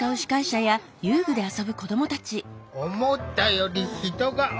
思ったより人が多かった。